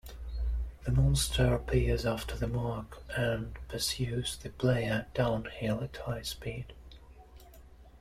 The monster appears after the mark and pursues the player downhill at high speed.